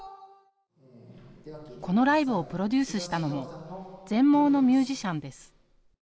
このライブをプロデュースしたのも全盲のミュージシャンです。